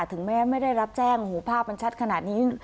ถึงแม้ไม่ได้รับแจ้งภาพมันชัดขนาดนี้